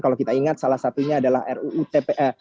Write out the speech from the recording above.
kalau kita ingat salah satunya adalah ruu tpa